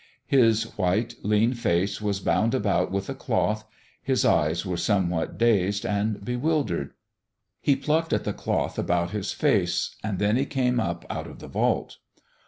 His white, lean face was bound about with a cloth, his eyes were somewhat dazed and bewildered. He plucked at the cloth about his face, and then he came up out of the vault.